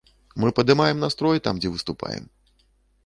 Мы падымаем настрой там, дзе выступаем.